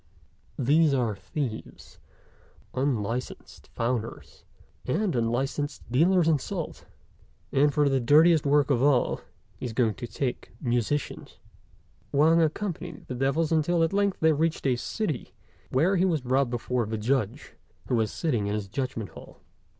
These are thieves, unlicensed founders, and unlicensed dealers in salt, and, for the dirtiest work of all, he is going to take musicians." Wang accompanied the devils until at length they reached a city, where he was brought before the Judge, who was sitting in his Judgment hall.